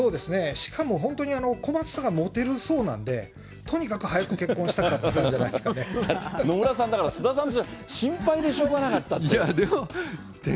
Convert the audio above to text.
しかも本当に、小松さんがもてるそうなんで、とにかく早く結婚したかったんじゃ野村さん、だから、菅田さんは心配でしょうがなかったっていうのは。